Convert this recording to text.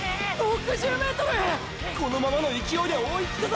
このままの勢いで追いつくぞ！！